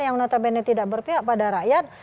yang notabene tidak berpihak pada rakyat